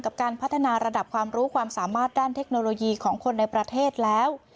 การพัฒนาระดับความรู้ความสามารถด้านเทคโนโลยีของคนในประเทศแล้ว